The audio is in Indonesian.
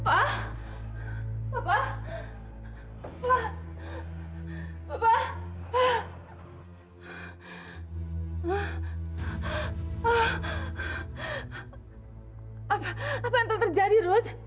apa yang terjadi ruth